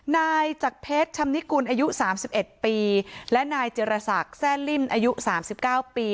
นายจักรเพชรชำนิกุลอายุสามสิบเอ็ดปีและนายเจรสักแซ่นลิ่มอายุสามสิบเก้าปี